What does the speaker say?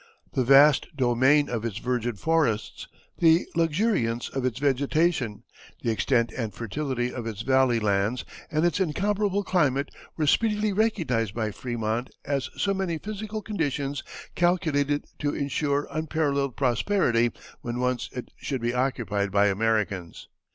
The vast domain of its virgin forests, the luxuriance of its vegetation, the extent and fertility of its valley lands, and its incomparable climate were speedily recognized by Frémont as so many physical conditions calculated to insure unparalleled prosperity when once it should be occupied by Americans.